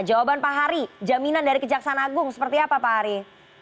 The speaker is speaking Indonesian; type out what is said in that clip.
jawaban pak hari jaminan dari kejaksaan agung seperti apa pak hari